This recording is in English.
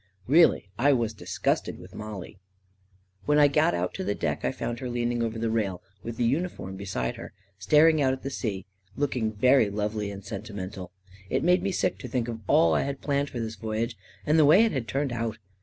Really, I was disgusted with Mollie ! When I got out to the deck, I found her leaning over the rail, with the uniform beside her, staring out at the sea and looking very lovely and sentimen tal. It made me sick to think of all I had planned for this voyage, and the way it had turned out